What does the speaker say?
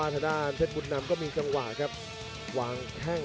ชัมเปียร์ชาเลน์